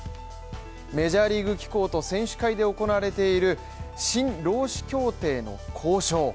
メジャーリーグ機構と選手会で行われている新労使協定の交渉。